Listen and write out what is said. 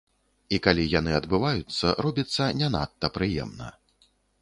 І калі яны адбываюцца, робіцца не надта прыемна.